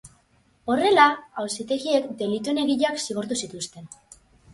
Horrela, auzitegiek delituen egileak zigortu zituzten.